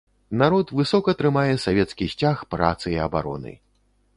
Народ высока трымае савецкі сцяг працы і абароны.